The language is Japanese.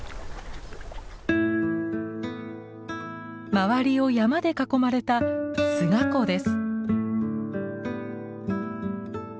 周りを山で囲まれた菅湖です。